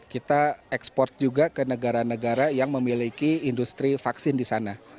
kita ekspor juga ke negara negara yang memiliki industri vaksin di sana